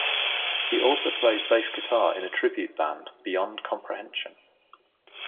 He also plays bass guitar in a tribute band, Beyond Comprehension.